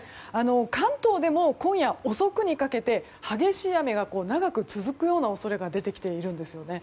関東でも今夜遅くにかけて激しい雨が長く続く恐れが出てきているんですね。